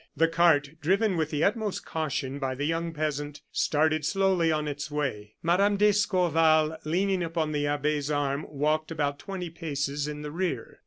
The cart, driven with the utmost caution by the young peasant, started slowly on its way. Mme. d'Escorval, leaning upon the abbe's arm, walked about twenty paces in the rear.